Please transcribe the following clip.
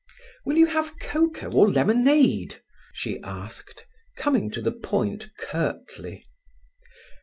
"Will you have cocoa or lemonade?" she asked, coming to the point curtly.